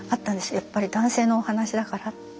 やっぱり男性のお話だからっていう。